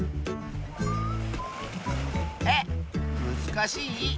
えっむずかしい？